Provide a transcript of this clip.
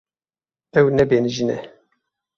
Ew nebêhnijî ne.